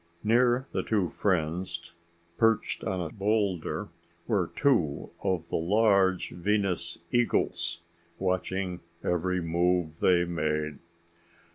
Near the two friends, perched on a boulder, were two of the large Venus eagles, watching every move they made.